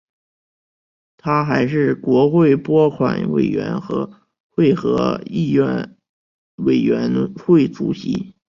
他还是国会拨款委员会和议院委员会主席。